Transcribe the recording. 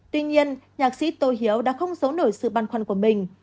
tuy nhiên nhạc sĩ tô hiếu đã không giấu nổi sự băn khoăn của mình